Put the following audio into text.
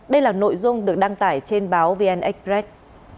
đây là nội dung được đăng tải trên báo vn express